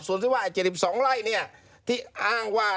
สวนสิว่า๗๒ไร่ที่อ้างว่า